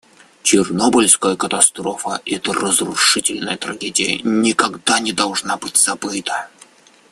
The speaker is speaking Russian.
Чернобыльская катастрофа, эта разрушительная трагедия, никогда не должна быть забыта.